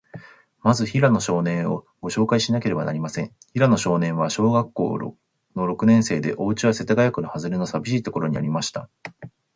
まず、平野少年を、ごしょうかいしなければなりません。平野少年は、小学校の六年生で、おうちは、世田谷区のはずれの、さびしいところにありました。